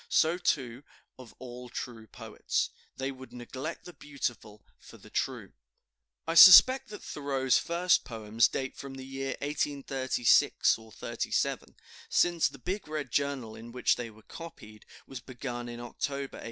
So, too, of all true poets, they would neglect the beautiful for the true." I suspect that Thoreau's first poems date from the year 1836 37, since the "big red journal," in which they were copied, was begun in October, 1837.